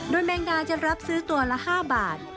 แมงดาจะรับซื้อตัวละ๕บาท